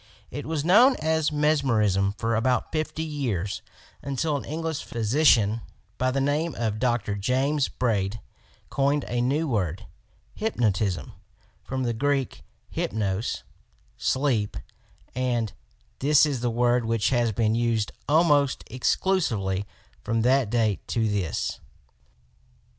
It was known as Mes merism for about fifty years, until an English physician by the name of Dr. James Braid coined a new word, "Hypnotism," from the Greek "Hypnos" — sleep, and this is the word which has been used almost exclusively from that date to this.